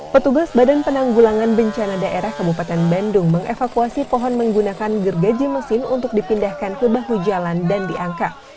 petugas badan penanggulangan bencana daerah kabupaten bandung mengevakuasi pohon menggunakan gergaji mesin untuk dipindahkan ke bahu jalan dan diangkat